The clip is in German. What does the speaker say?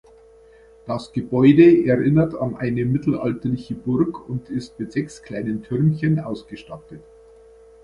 Das Gebäude erinnert an eine mittelalterliche Burg und ist mit sechs kleinen Türmchen ausgestattet.